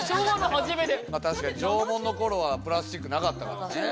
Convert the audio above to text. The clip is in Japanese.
確かに縄文の頃はプラスチックなかったからね。